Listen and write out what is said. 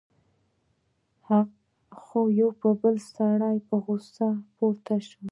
خو یو بل سړی په غصه پورته شو: